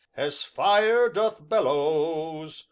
As fire doth bellows.